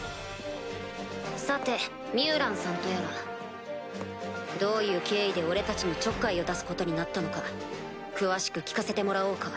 さてミュウランさんとやら。どういう経緯で俺たちにちょっかいを出すことになったのか詳しく聞かせてもらおうか。